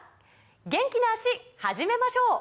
元気な脚始めましょう！